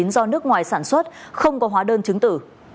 do nước ngoài sản xuất không có hóa đơn chứng tử